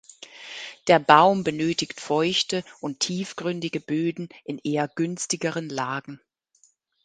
Der Baum benötigt feuchte und tiefgründige Böden in eher günstigeren Lagen.